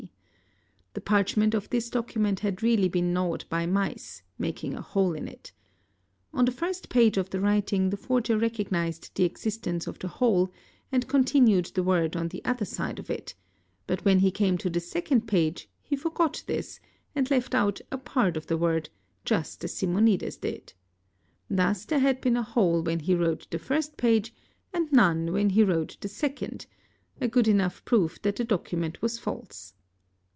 D. The parchment of this document had really been gnawed by mice, making a hole in it. On the first page of the writing the forger — recognised the existence of the hole and continued the word on the other side of it, but when he came to the second page he forgot this and left ; out a part of the word, just as Simonides did. Thus there had been a hole when he wrote the first page and none when he wrote the second, a good enough proof that the document was false.